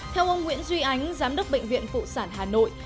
theo ông nguyễn duy ánh giám đốc bệnh viện phụ sản hà nội